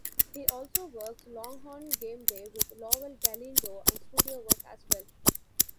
He also works Longhorn Gameday with Lowell Galindo and studio work as well.